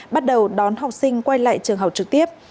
bắt đầu đón học sinh quay lại trường học trực tiếp